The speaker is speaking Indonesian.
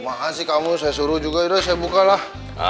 bumahan sih kamu saya suruh juga saya buka lah